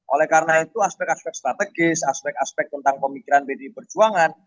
oleh karena itu aspek aspek strategis aspek aspek tentang pemikiran pdi perjuangan